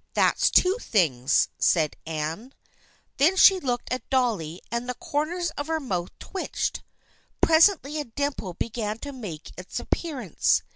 " That's two things," said Anne. Then she looked at Dolly and the corners of her mouth twitched. Presently a dimple began to make its appearance.